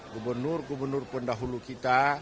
gubernur gubernur pendahulu kita